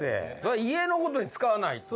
家の事に使わないと。